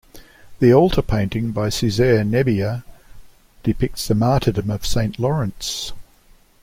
The altar painting by Cesare Nebbia depicts the martyrdom of Saint Lawrence.